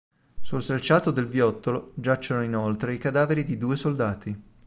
Sul selciato del viottolo giacciono inoltre i cadaveri di due soldati.